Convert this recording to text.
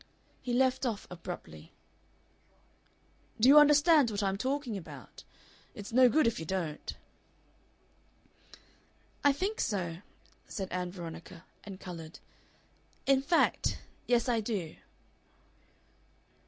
He left off abruptly. "Do you understand what I am talking about? It's no good if you don't." "I think so," said Ann Veronica, and colored. "In fact, yes, I do."